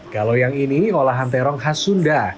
kalau yang ini olahan terong khas sunda